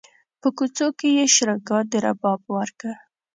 په کوڅو کې یې شرنګا د رباب ورکه